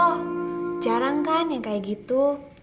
oh jarang kan yang kayak gitu